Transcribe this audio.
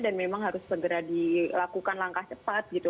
dan memang harus segera dilakukan langkah cepat gitu